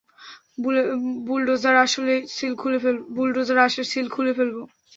Bulldozer আসলে, seal খুলে ফেলবো।